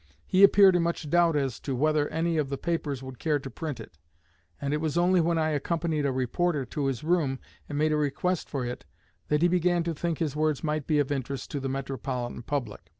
He appeared in much doubt as to whether any of the papers would care to print it; and it was only when I accompanied a reporter to his room and made a request for it, that he began to think his words might be of interest to the metropolitan public.